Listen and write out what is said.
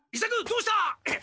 どうした！？